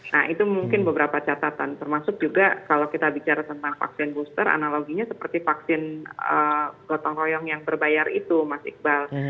nah itu mungkin beberapa catatan termasuk juga kalau kita bicara tentang vaksin booster analoginya seperti vaksin gotong royong yang berbayar itu mas iqbal